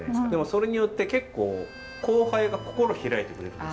それによって結構後輩が心開いてくれるんですよ。